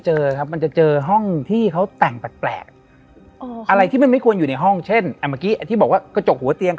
เห็นเรานั่งอยู่นี่